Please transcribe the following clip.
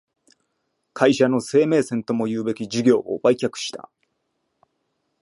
会社の生命線ともいうべき事業を売却した